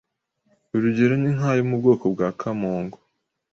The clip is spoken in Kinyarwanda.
Urugero ni nk’ayo mu bwoko bwa kamongo